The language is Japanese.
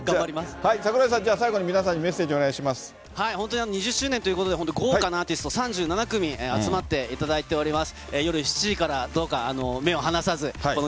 櫻井さん、本当に２０周年ということで、本当に豪華なアーティスト、３７組集まっていただいております。